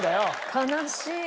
悲しい。